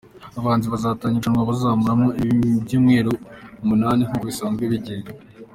Abahanzi bazatangira iri rushanwa bazamaramo ibyumweru umunani nk’uko biswanzwe bigenda.